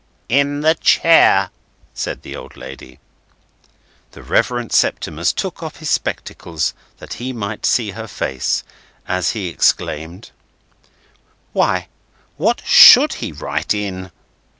"In the chair," said the old lady. The Reverend Septimus took off his spectacles, that he might see her face, as he exclaimed: "Why, what should he write in?"